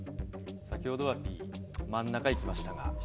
先ほどはＢ真ん中をいきましたが。